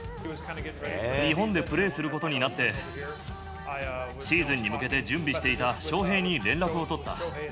日本でプレーすることになって、シーズンに向けて準備していた翔平に連絡を取った。